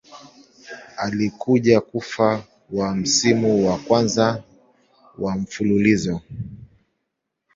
Alikuja kufa wa msimu wa kwanza wa mfululizo.